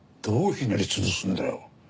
どうひねり潰すんだよ。